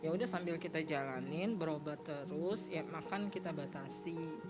ya udah sambil kita jalanin berobat terus ya makan kita batasi